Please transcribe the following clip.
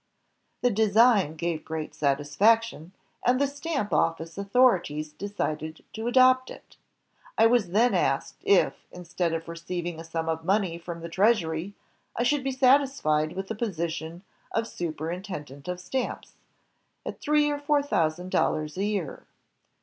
"The design gave great satisfac tion •.., and the Stamp Office authorities decided to adopt it. I was then asked if, instead of re '^^ ceiving a sum of money from the Treasury, I should be satisfied with the position of Super intendent of Stamps, at three or four thousand dollars a year.